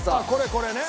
これね。